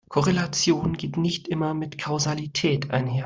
Korrelation geht nicht immer mit Kausalität einher.